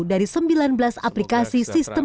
dari sembilan belas aplikasi sistem